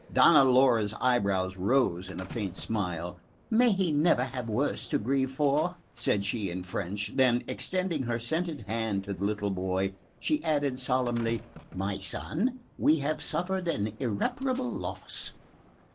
Donna Laura's eyebrows rose in a faint smile. "May he never have worse to grieve for!" said she in French; then, extending her scented hand to the little boy, she added solemnly: "My son, we have suffered an irreparable loss."